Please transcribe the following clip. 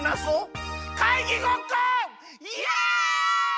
イエイ！